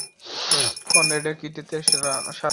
কনরেডের কৃতিত্বের স্মারক।